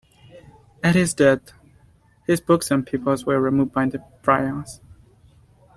At his death, his books and papers were removed by the friars.